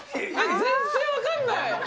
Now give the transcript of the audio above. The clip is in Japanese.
全然分かんない。